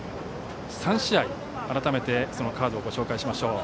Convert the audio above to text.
３試合改めてカードをご紹介しましょう。